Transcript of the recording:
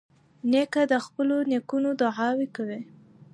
نیکه د خپلو نیکونو دعا کوي.